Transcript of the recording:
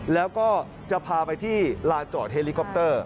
แล้วก็จะพาไปที่ลานจอดเฮลิคอปเตอร์